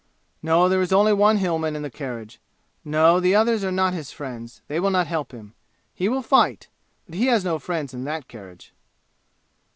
No, there is only one Hillman in the carriage. No, the others are not his friends; they will not help him. He will fight, but he has no friends in that carriage."